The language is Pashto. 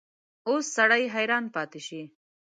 اوس سړی حیران پاتې شي.